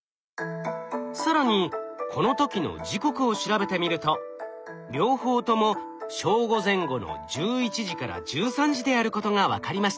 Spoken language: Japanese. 更にこの時の時刻を調べてみると両方とも正午前後の１１時から１３時であることが分かりました。